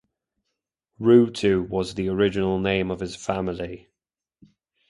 Ruutu was the original name of his family.